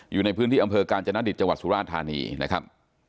อยู่ในพื้นที่อำเภอกาญจนดิตจังหวัดสุราธานีนะครับ